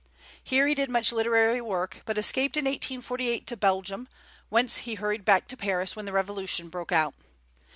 Here he did much literary work, but escaped in 1848 to Belgium, whence he hurried back to Paris when the revolution broke out.